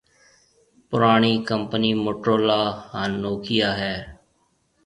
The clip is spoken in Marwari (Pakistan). پُراڻِي ڪمپني موٽورولا ھان نوڪيا ھيََََ